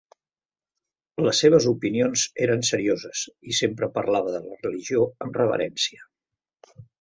Les seves opinions eren serioses i sempre parlava de la religió amb reverència.